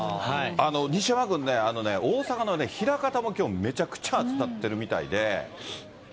西山君ね、大阪の枚方もきょう、めちゃくちゃ暑くなってるみたいで。